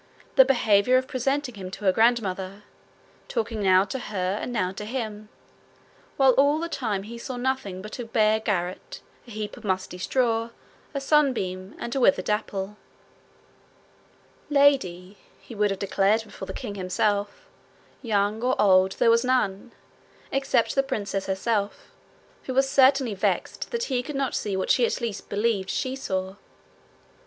the behaviour of presenting him to her grandmother, talking now to her and now to him, while all the time he saw nothing but a bare garret, a heap of musty straw, a sunbeam, and a withered apple. Lady, he would have declared before the king himself, young or old, there was none, except the princess herself, who was certainly vexed that he could not see what she at least believed she saw.